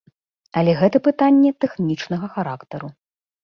Але гэта пытанне тэхнічнага характару.